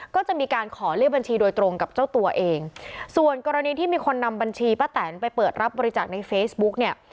ก็จะมีการขอเลขบัญชีโดยตรงกับเจ้าตัวเองส่วนกรณีที่มีคนนำบัญชีป้าแตนไปเปิดรับบริจาคในเฟซบุ๊กเนี่ย